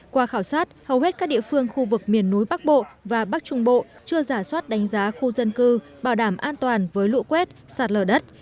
qua khảo sát hầu hết các địa phương khu vực miền núi bắc bộ và bắc trung bộ chưa giả soát đánh giá khu dân cư bảo đảm an toàn với lũ quét sạt lở đất